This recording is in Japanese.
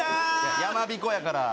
やまびこだから。